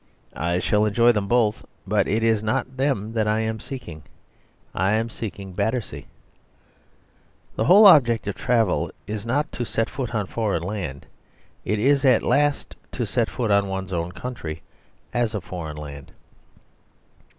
I shall enjoy them both; but it is not them that I am seeking. I am seeking Battersea. The whole object of travel is not to set foot on foreign land; it is at last to set foot on one's own country as a foreign land.